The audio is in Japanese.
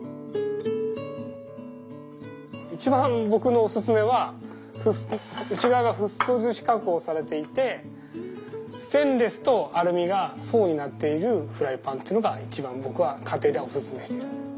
一番ぼくのおすすめは内側がフッ素樹脂加工されていてステンレスとアルミが層になっているフライパンっていうのが一番ぼくは家庭ではおすすめしてる。